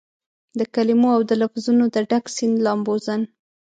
دکلمو اودلفظونو دډک سیند لامبوزن